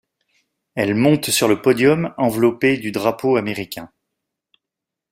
Elle monte sur le podium enveloppée du drapeau américain.